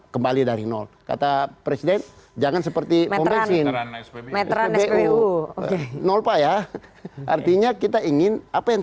kembali dari nol kata presiden jangan seperti metra unwb ya artinya kita ingin apa yang